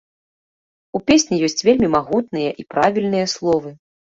У песні ёсць вельмі магутныя і правільныя словы.